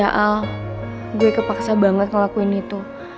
ya al gue kepaksa banget ngelakuin itu